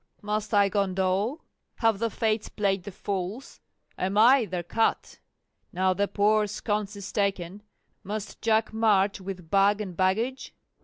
must I condole? have the Fates played the fools? am I their cut? now the poor sconce is taken, must Jack march with bag and baggage?